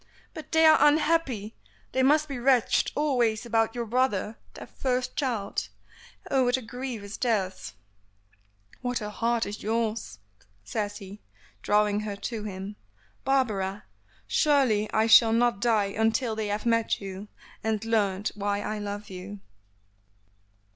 "But they are unhappy; they must be wretched always about your brother, their first child. Oh! what a grief is theirs!" "What a heart is yours!" says he, drawing her to him. "Barbara! surely I shall not die until they have met you, and learned why I love you."